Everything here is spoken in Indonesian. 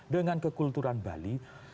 dengan kekulturan bali